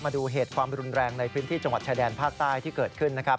มาดูเหตุความรุนแรงในพื้นที่จังหวัดชายแดนภาคใต้ที่เกิดขึ้นนะครับ